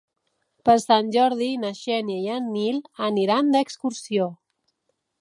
Per Sant Jordi na Xènia i en Nil aniran d'excursió.